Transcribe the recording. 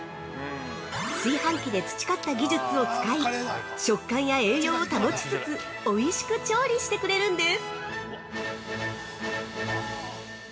炊飯器で培った技術を使い食感や栄養を保ちつつおいしく調理してくれるんです。